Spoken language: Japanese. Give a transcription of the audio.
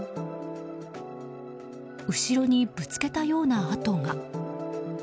後ろにぶつけたような跡が。